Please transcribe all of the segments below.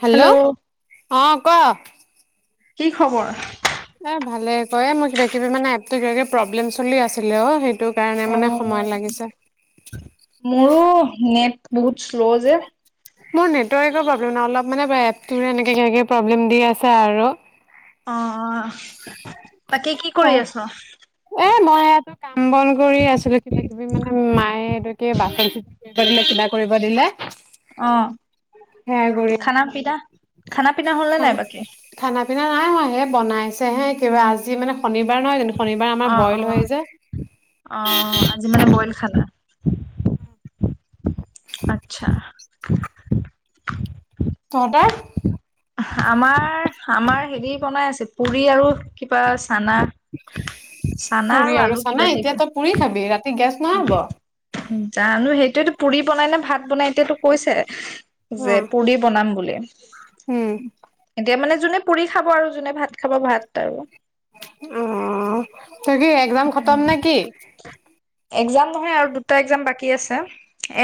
Hello অ ক কি খবৰ এ ভালে হয়ে এ মোৰ কিবা কিবি মানে এপতো প্ৰব্লেম চলি আছিলে অ কাৰণে অ মানে সময় লাগিছে মোৰো নেট বহুত শ্লো যে মোৰ নেটৱৰ প্ৰব্লেম অলপ মানে এপটো এনেকে কিবা কিবি প্ৰব্লেম দি আছে আৰু অ বাকী কি কৰি তাৰ আছ? এ মই ইয়াতো কাম বন কৰি আছিলো কিবা কিবি মানে মায়ে এইটোকে বাচন কিবা কৰিব দিলে অ হেয়া কৰি খানা পিনা আছিলো খানা পিনা হ'ল নে নাই খানাটো বাকী? খানা পিনা নাই হোৱা হে বনাইছে হে কিবা আজি মানে শনিবাৰ নহয় জানো শনিবাৰ আমাৰ অ অ বইল হয় যে অ আজি মানে বইল খালা অ [inaudible] আত্ছা তহঁতৰ আমাৰ আমাৰ হেৰি বনাই আছিল পুৰি আৰু কিবা চানা চানা পুৰি আলু আৰু কিবা চানা টাইপ এতিয়া তো পুৰি খাবি ৰাতি গেছ নহ'ব অ জানো সেইটোৱেটো পুৰি বনাই নে ভাত বনাই এতিয়াতো কৈছে যে পুৰি বনাম বুলি উম এতিয়া মানে যোনে পুৰি খাব আৰু যোনে ভাত খাব ভাত আৰু অ তোৰ কি একজাম খটম নে কি একজাম নহয় আৰু দুটা একজাম বাকী আছে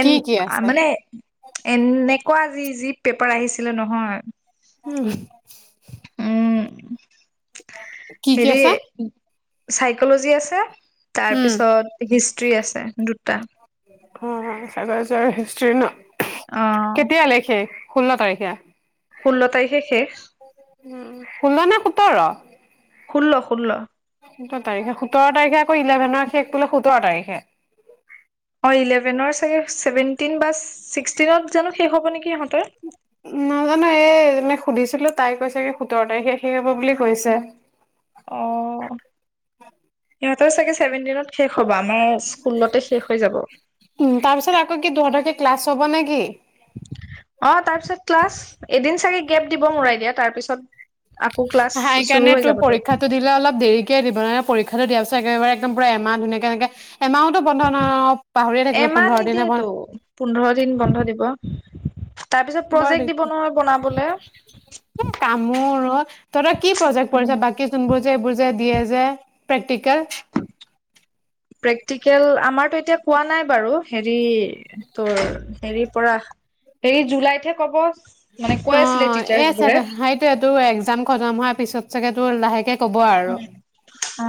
এন কি কি আছে মানে এনেকুৱা ইজি পেপাৰ আহিছিলে নহয়। উম উম কি কি হেৰি আছে চাইকলজী আছে। উম তাৰপিছত হিষ্ট্ৰি আছে দুটা শূন্য অ কেতিয়া লেখে ষোল্ল তাৰিখে ষোল্ল তাৰিখে শেষ উ ষোল্ল নে সোতৰ ষোল্ল ষোল্ল সোতৰ তাৰিখে সোতৰ তাৰিখে আকৌ ইলেভেনৰ শেষ বোলে সোতৰ তাৰিখে অ ইলেভেনৰ চছেভেনটিন বাছ ছিক্সটিনত জানো শেষ হব নেকি ইহঁতৰ নাজানো এই যেনে সুধিছিলো তাই কৈছে কি সোতৰ তাৰিখে শেষ হব বুলি কৈছে। অ সিহঁতৰ চাগে ছেভেনটিনত শেষ হবা আমাৰ স্কুলতে শেষ হৈ যাব। উম তাৰ পিছত আকৌ কি তহঁতৰ কি ক্লাছ হ'ব নেকি? অ তাৰপিছত ক্লাছ এদিন চাগে গেপ দিব মোৰ আইডিয়াত তাৰ পিছত হ সেইকাৰণে তোৰ পৰীক্ষাতো দিলে অলপ দেৰিকে দিব নহে পৰীক্ষা দিয়া পাছত। একেবাৰে একদম পৰা এমাহ ধুনীয়া কে এনেকে এমাহ এমাহ দিনে বন্ধ নিদিয়েতো পোন্ধৰ দিন বন্ধ দিব তাৰ পিছত বৰ প্ৰজেক্ট দিব নহয় বনাবলে দিগদাৰ কামোৰ অ কি প্ৰজেক্ট কৰিছ বাকী যোনবোৰ যে এইবোৰ যে দিয়ে যে প্ৰক [unintelligible] টিকেল আমাৰতো এতিয়া কোৱা নাই বাৰু, হেৰি তোৰ হেৰি পৰা হেৰি, জুলাইতহে ক'ব মানে কৈ অ আছিলে টিচাৰ্চ এই বোৰে চাগে সেইটোৱেতো এক্জাম খতম হোৱাৰ পিছত চাগে তোৰ লাহেকে কব আৰু অ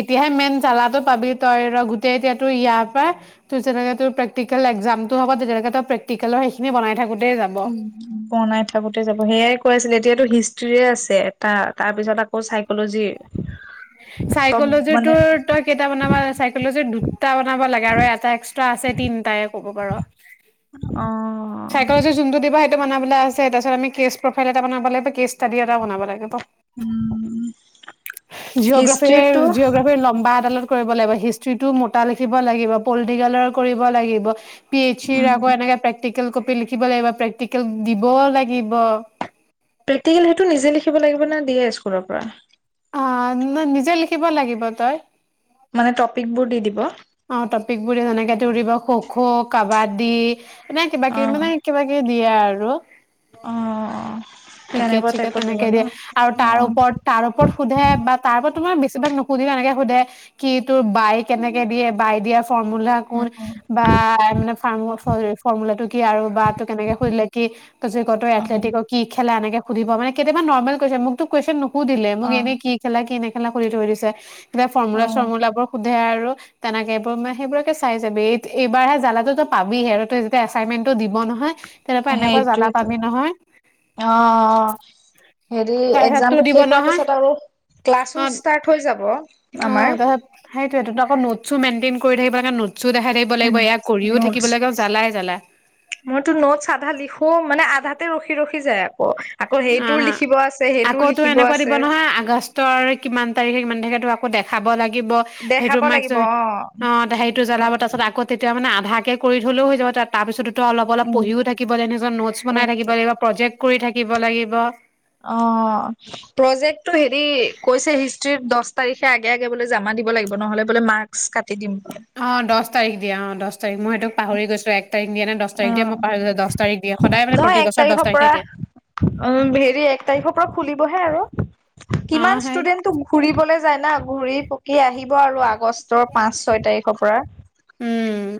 এতিয়াহে মেইন জালাটো পাবি তই ৰ গোটেই এতিয়া তোৰ ইয়াৰ পৰা তোৰ যেনেকে তোৰ প্ৰেকটিকেল এক্জামতো হব তেতিয়ালৈকে তই প্ৰেক্টিকেলৰ সেইখিনি বনাই থাক বনাই থাকোতে যাব, সেয়াই কৈ আছিলে এতিয়াতো হিষ্ট্ৰীয়ে আছে এটা, তাৰ পিছত আকৌ ছাইক'লজি ছাইক'লজি তোৰ, তই কেইটা বনাবা ছাইক'লজিৰ দুটা বনাব লাগে আৰু এটা এক্স্ৰা আছে, তিনটাই ক'ব পাৰ অ ছাইক'লজিৰ যোনটো দিবা বনাবলৈ আছে তাৰপাছত আমি কেচ প্ৰফল এটা বনাব লাগিব কে উম, [inaudible] হিষ্ট্ৰীটো কৰিব লাগিব হিষ্ট্ৰিটো মোটা লিখিব লাগিব পলিটিকেলৰ কৰিব লাগিব পি আইছ ই ৰ উম, আকৌ এনেকে প্ৰক প্ৰেক্টিকেল কপি লিখিব লাগিব, প্ৰেক্টিকেল দিবও লাগিব। প্ৰেক্টিকেল সেইটো নিজে লিখিব লাগিব না দিয়ে স্কুলৰ পৰা? অ ন-নিজে লিখিব লাগিব তই। মানে টপিক বোৰ দি দিব অ টপিক বোৰে যেনেকে তোৰ দিব খো-খো, কাবাডী নে কিবা কি অ', মানে কিবা কি বিয়া আৰু অ তেনেকুৱা ক্ৰিকেট টাইপত দিব তোমাৰ ন? অ', বেছিভাগ নুসোধিলে এনেকে সোধে কি তোৰ বাই কেনেকে দিয়ে? বাই দিয়া ফৰ্মুলা কোন অ', বা মানে ফ-ফৰ্মুলাটো কি আৰু বা তোক এনেকে সুধিলে কি তই যদি ক তই অ', এথলেটিক কি এনেকে সুধিব মানে, কেইটা মান নৰ্মেল কুৱেশ্চন, মোকতো কুৱেশ্চন নো শুদিলে, মোক অ', ইনেই কি খেলাই, কি নে খেলা খুলি থৈ দিছে ফৰ্মুলা অ', চৰ্মুলাবোৰ সেয়া আৰু তেনেকে এইবোৰ মে সেইবোৰকে চাই যাবি, এই-এইবাৰহে জালাতো তই পাবিহে আৰু তই যেতিয়া এচাইনমেন্টটো দিব নহয় । তেনেকুৱা-এনেকুৱা জ্বালা পাবি নহয়। অ-অ, অ হেৰি তাৰপিছত তোৰ এক্সামটো দিব শেষ হোৱাৰ নহয় পিছত আৰু অ ক্লাছো ষ্টাৰ্ট হৈ যাব আমাৰ। নোট-চোট মেইনেইন কৰি থাকিব লাগে নে, নো ওম নটচ, জ্বালাই জ্বালা মইতো নোটছ আধা লিখো, মানে আধা তাতে ৰখি-ৰখি যায় আকৌ। আকৌ অ সেইটোও লিখিব আছে। সেইটোও আকৌ তো লিখিব এনেকুৱা আছে দিব নহয় আগষ্টৰ কিমান তাৰিখে, কিমান তাৰিখে আকৌ দেখ খাব লাগে। থাকিব, দেখাব সেইটো মাক্স লাগিব অ'। ন সেইটো অ', জ্বলাব আকৌ তে তেতিয়া মানে আধা কে কৰি থলেও হৈ যাব তাৰপিছটো অলপ-অলপ উম, পঢ়িও থাকিব লাগিব নিজৰ নোছ বনাই পঢ়ি থাকিব থাক লাগিব, প্ৰজেক্ট কৰি থাকিব লাগিব। অ' প্ৰজেক্টটো হেৰি কৈছে হিষ্ট্ৰী দহ তাৰিখে আগে-আগে বোলে জমা দিব লাগিব নহলে বোলে মাৰ্কচ কাটি দিম। অ' দহ তাৰিখ দিয়া অ' দহ দহ তাৰিখ মই সেইটো পাহৰি গৈছো এক তাৰিখ দিয়ে নে দহ তাৰিখ দিয়ে অ', মই পাহৰি গৈছো, দহ তাৰিখ দিয়ে সদায় মানে নহয় প্ৰতি এক বছৰ দহ তাৰিখৰ পৰা তাৰিখে দিযে। উম, হেৰি এক তাৰিখৰ পৰা খুলিবহে আৰু কিমান ষ্টুডেন্টো ঘুৰিবলৈ যায় না। ঘূৰি পকি আহিব আৰু আগ' আগষ্টৰ পাঁচ ছয় তাৰিখৰ পৰা। উম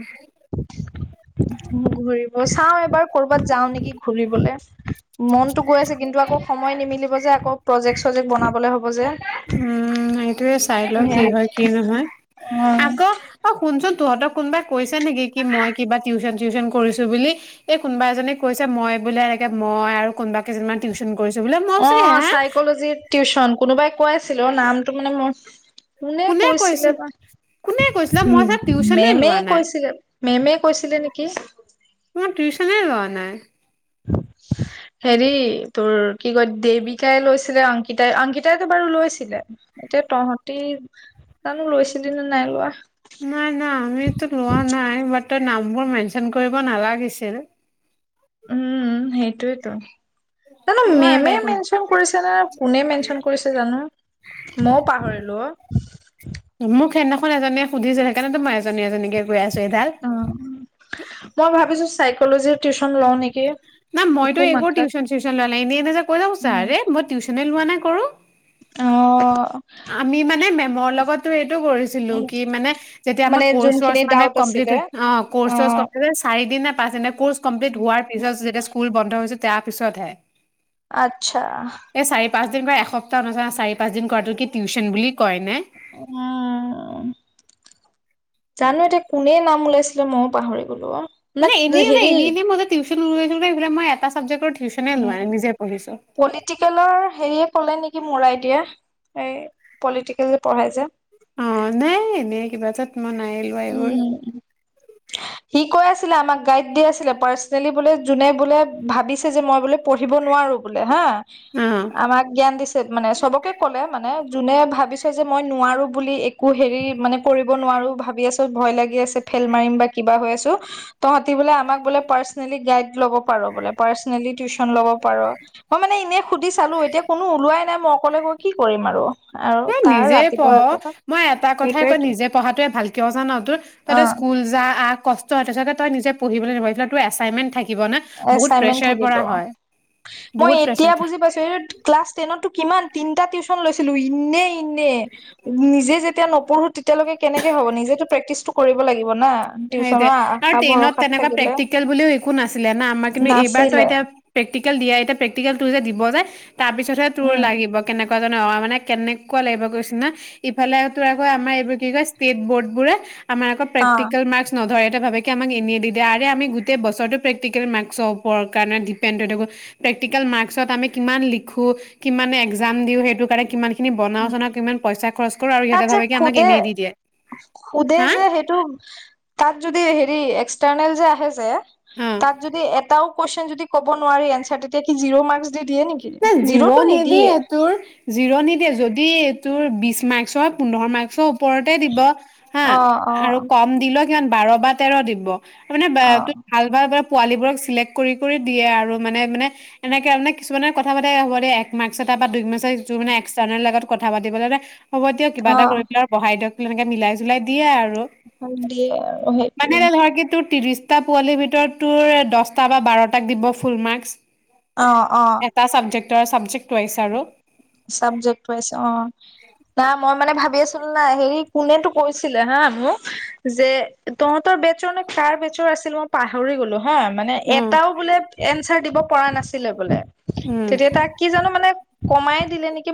ম ঘূৰি চাও এবাৰ কৰ'বাত যাও নেকি ঘুৰিবলৈ, মনতো গৈ আছে কিন্তু আকৌ সময় নিমিলিব যে আকৌ প্ৰজেক্ট-চজেক্ট বনাবলৈ হ'ব যে। উম, এইটোয়ে চাই ল উম, কি হয় কি নহয়। অ', আকৌ অ শুনচোন তহঁতক কোনোবাই কৈছে নেকি কি মই কিবা টিউচন-চিউচন কৰিছো বুলি, এই কোনোবা এজনে কৈছে মই বোলে এনেকে মই আৰু কোনোবা কেইজনমান টিউচন কৰিছো বোলে মই ভাবিছো অ' হা চাইকলজিৰ টিউচন কোনোবাই কৈ ছিলো নামটো মানে মোৰ কোনে কোনে কৈছে কৈছিলে বা কোনে কৈছিলে উ, মই ছাৰ টিউচনে মেমে' লোৱা নাই কৈছিলে মেমে কৈছিলে নেকি? মই টিউচনে লোৱা নাই, হেৰি, তোৰ কি কয় দেৱিকাই লৈছিলে, অংকিতাই-অংকিতাইতো বাৰু লৈছিলে এতিয়া তহঁতি জানো লৈছিলি নে, নাই লোৱা। নাই-নাই আমিতো লোৱা নাই, বাট তই নামবোৰ মেনচন কৰিব নালাগিছিল। উম ' সেইটোৱেইতো। জানো হ'ব আৰু দে মেমে' একো নাই। মেনচন কৰিছে নে? কোনে মেনচন কৰিছে? জানো মইও পাহৰিলো। অ' মোক সেইদিনাখন এজনিয়ে সুধিছিল সেইকাৰনে মই এজন-এজনীকৈ অ' মই ভাবিছো চাইকলজিৰ টিউচন লওঁ নেকি? না মইটো একো টিউচন চিউচন লোৱা নাই এনে এনে যে কৈ থাকে বুলু আৰে, টিউচনে ‌লোৱা নাই কাৰো। অ। আমি মানে মেমৰ, অ লগত, কৰিছিলো অ কি মানে যেতিয়া মানে আমাৰ কোৰ্চ যোনখিনি চৰ্চ মানে ডাউট আছিলে কম্লিট হয় অ কোৰ্চ চৰ্চ কমপ্লিট চাৰিদিন নে? পাছ। কোৰ্চ কমপ্লিট হোৱাৰ পিছত যেতিয়া স্কুল বন্ধ হৈছে, তাৰ পিছতহে, আচ্ছা। পাঁচদিন বা এসপ্তাহ অনুষ্ঠান চাৰি পাঁচ দিন কৰাটো কি, টিউচন বুলি কয় নে উম জানো এতিয়া কোনে নাম ওলাইছিলে মযো পাহৰি গলো অ। ন মানে এনেই এ হেৰি এনেই এনেই মই যে টিউচন এই মই এটা‌‌ চাবজেকৰ উ পলিটিকেলৰ হেৰিয়ে ক'লে নেকি মোৰ আইদিয়া এই পলিটিকেল পঢ়াই যে অ নাই এনে কিবা ত উম সি কৈ আছে। আমাক গাইড দি আছিলে পাৰ্চনেলি বোলে যোনে বোলে ভাবিছে যে মই বোলে। পঢ়িব নোৱাৰো বোলে হা অ আমাক জ্ঞান দিছে মানে চবকে ক'লে মানে যোনে ভাবিছ যে মই নোৱাৰো বুলি একো হেৰি মানে কৰিব নোৱাৰো ভাবি আছো ভয় লাগি আছে ফেল মাৰিম বা কিবা হৈ আছো তহতি বোলে আমাক বোলে পাৰ্চনেলি গাইড ল'ব পাৰ বোলে। পাৰ্চনেলি টিউচন ল'ব পাৰ মই মানে ইনে সুধি চালো এতিয়া কোনো ওলাই নাই মই অকলে গৈ কি কৰিম আৰু আৰু এ তাৰ নিজে ৰাতিপুৱা পঢ় ৰাতিপুৱা মই এটা কথাই কয় সেইটোৱেইটো নিজে পঢ়াতয়ে ভাল না না তোৰ অ তাতে স্কুল যা আ কষ্ট তাৰ পিছত তই নিজেই পঢ়িবলে নাপাবি এইফালে তোৰ‌ এচাইনমেণ্ট থাকে। এচাইমেনট থাকিব মই বহুত এতিয়া প্ৰেচাৰ বুজি পাইছো এইটো টো ক্লাচ টেনত টো কিমান তিনিটা টিউচন লৈছিলো ইনে ইনে নিজে যেতিয়া নপঢ়ো তেতিয়ালৈকে কেনেকে হ'ব নিজেতো প্ৰেক্টিচটো কৰিব লাগিব না সেই টিউচনৰ দে আৰু আশা টেইনত ভৰসাত তেনেকুৱা থাকিলে প্ৰেক্টিকেল বুলিও একো নাছিলে ন আমাৰ কিন্তু এইবাৰো নাছিলে এতিয়া প্ৰেকটিকেল দিয়া এতিয়া প্ৰেকটিকেলটো যে দিব যে তাৰপিছতহে তোৰ উম লাগিব কেনেকা মানে কেনেকুৱা লাগিব কৈছিনা ইফালে তো আকৌ আমাৰ এইবোৰ কি কয় ষ্টেট বৰ্ড বোৰে আম আকৌ প্ৰে অ নধৰে ভাৱে কি আমাক এনেই দি দিয়ে আৰে আমি গোটেই বছৰটো প্ৰেক্টিকেল মাস্কৰ ওপৰত কাৰণে ডিপেন্দ হৈ থাকো প্ৰেক্টিকেল মাস্কত আমি কিমান লিখো কিমানে একজাম দিও খিনি বনাওঁ উম চনাওঁ কিমান পইচা খৰচ কৰো আৰু তাত সিহঁতে যে ভাবে কি আমাক শুধে এনেই দি দিয়ে শুধে হা যে সেইটো তাত যদি হেৰি এক্সটাৰনেল যে আহে যে অ তাত যদি এটাও কুৱেচন যদি ক'বোৱাৰাৰে এনাৰ তেতিয়া কি জিৰ' মাৰ্ক নাই জিৰ নিদিয়ে তোৰ জিৰ নিদিয়ে যদি তোৰ বিশ মাৰ্কৰ পোন্ধৰ মাৰ্ক ওপৰতে দিব হা অ অ আৰু কম দিল মান বাৰ বা তেৰ দিব মানে অ ভাল বা পোৱালী বোৰক চিলেক্ট কৰি দিয়ে আৰু মানে মানে এনেকে মানে কিু মানে কথা পাতে হ'ব যদি কেতিয়াবা এক মাৰ্কচত বা দুই মাৰ্কছত যে এক্সটাৰনেলত কথা পাতিব হ'ব দিয় কিবা অ এটা কৰি পেলাই আৰু বঢ়াই দিয়ক তেনেকে মিলাই জলাই দিয়ে আৰু দিয়ে আৰু মানে সেইটোৱে এটা ধৰ কি তোৰ টা পোৱালিৰ ভিতৰত তোৰ দহটা বা বাৰটাক দিব ফুল মাৰ্ক অঁ অঁ চাবজেক্টো আহিছে আৰু চাবজেক্ আহিছে উম, মই মানে ভাবি আছিলো নাই হেৰি কোনেতটো কৈছিলে হা মোক যে তহঁতৰ বেটচৰ নে কাৰ বেটচৰ আছিল মই পাহৰি গলো। হয় মানে অ এটাও বোলে এ এনচাৰ দিব পৰা নাছিলে বোলে উম, তেতিয়া তাক কি জানো মানে কমাই দিলেক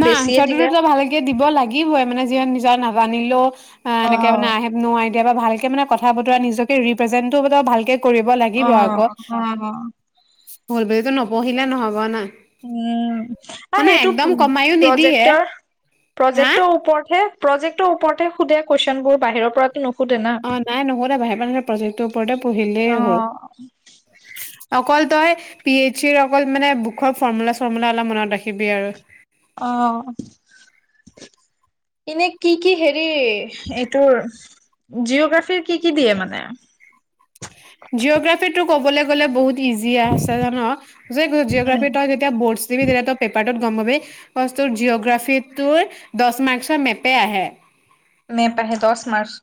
নাই আনচটোতো দিলে তই ভালকে দিব লাগিবই মানে। যে নিজৰ নাজানিলেও অ এনেকে মানে আই হেভ ন আইদিয়া বা ভাল মে কথা বতৰা নিজকে ৰিপ্ৰেজেন্টটো বত ভালকে কৰিব অ লাগিব আকৌ অ বৰ ব এইটো নবহিলে নহ'ব না উম মানে সেইটো উ একদম কমায়ো নিদিয়ে, প্ৰজেক্টৰ হা? প্ৰজেক্টৰ ওপৰত হে প্ৰজেক্টৰ ওপৰতে সোধে কোৱেচনবোৰ বাহিৰৰ পৰা অ নাই নুহুধেও দে বাহিৰা প্ৰজেক্টৰ ওপৰতে পঢ়িলেই অ হ'ল অকল তই পি এইচ ই ৰ অকল মানে বুকৰ ফৰ্মুলা চৰ্মুলা অলপ মনত ৰাখিবি আৰু অ এনে কি কি হেৰি এইটোৰ জিঅগ্ৰাফিৰ কি কি দিয়ে মানে জিঅ'গ্ৰাফিটো কবলৈ গলে বহুত ইজি আছে জান য উম জিঅগ্ৰাফীৰ তাৰ এতিয়া বৰ্ডছ দিব এটা পেপাৰ ত গম পাবি বস্তুৰ জিঅ'গ্ৰাফিত তোৰ দছ মাৰ্ক্সৰ মেপে আহে। মেপ আহে দছ মাৰ্ক্স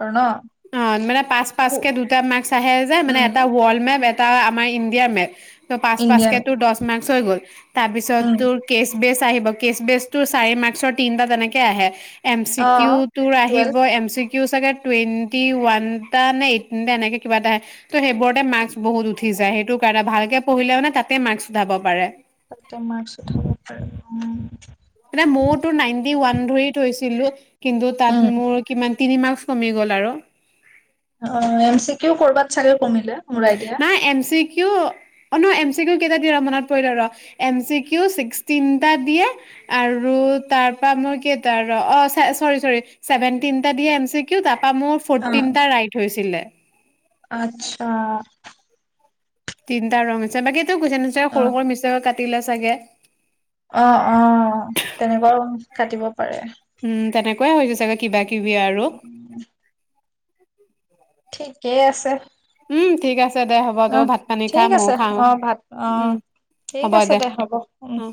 অ মানে পাঁচ পাঁচ কে দুটা মাৰ্ক্স আহে যে মানে উম এটা ৱৰ্ল্ড মেপ এটা আমাৰ ইণ্ডিয়াৰ মেপ, ত পাঁচ ইণ্ডিয়ান পাঁচকেতো দছ মাৰ্ক, হৈ গ'ল, তাৰ পিছত, উম তোৰ কেচ বেচ, আহিব কেচ বেচ টো চাৰি মাৰ্ক্সৰ তিনিটা এনেকে আহে, এম চি অ কিউ তোৰ আহিব টুৱেলভ এম চি কিউ চাগে, টোৱেন। টি ওৱান এটা নে, এইট এনেকে কিবা এটা আহে। ত সেইবোৰতে মাৰ্ক্স বহু উ- উঠি যায় সেইটো কাৰণে ভালকে পঢ়িলে মানে তাতে মাৰ্ক্স উঠাব পাৰে। তাতে মাৰ্ক্স উঠাব পাৰে। মানে মইতো নাইনটি ওৱান ধৰি থৈছিলো। কিন্তু উম, তাত মোৰ কিমান, তিনি মাৰ্ক্স কমি গ'ল আৰু, অ এম চি কিও কৰবাত চাগে, কমিলে মোৰ আইডিয়া নাই এম চি, কীউ ন এম চি কিউ কেইটা দিয়ে ৰ মনত পৰিল ৰ এম চি কিউ ছিক্সটিনটা দিয়ে আৰু তাৰ পৰা মোৰ কি এটা ৰ অ চৰি চৰি ছেভেনটিনটা দিয়ে এম চি কিউ ত- বা মোৰ অ ফৰ্টিনটা ৰাইট হৈছিলে। আচ্ছা। তিনিটা ৰং আছে বাকী। টো কোৱেচন আনচৰ অ সৰু সৰু মিছটেকত কাটি, তিল চাগে, অ অ তেনেকুৱাও কাটিব পাৰে, উম তেনেকুৱে হৈ হৈছে চাগে কিবা কিবি, আৰু- ঠিকেই আছে। ঠিক আছে। দে হ'ব তই অঁ ভাত পানী খা ঠিক ময়ো আছে খাওঁ অ ভাত অ উম ঠিক আছে দে হ'ব উম, অ